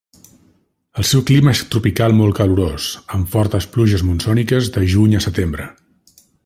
El seu clima és tropical molt calorós, amb fortes pluges monsòniques de juny a setembre.